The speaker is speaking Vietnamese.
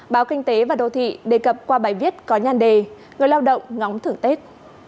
báo kinh tế và đô thị đề cập qua bài viết có nhan đề người lao động ngóng thưởng tết